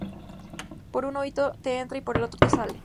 Por un oído te entra y por el otro te sale